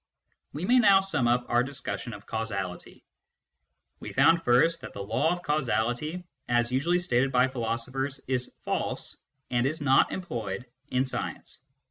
We may now sum up our discussion of causality. We found first that the law of causality, as usually stated by philosophers, is false, and is not employed in science.